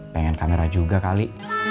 pengen kamera juga kali